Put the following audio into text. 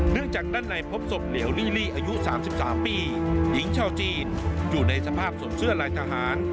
เนื่องจากด้านในพบศพเหลวลี่ลี่อายุสามสิบสามปีหญิงเช่าจีนอยู่ในสภาพสวมเชื่อลายทหาร